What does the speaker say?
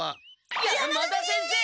山田先生！？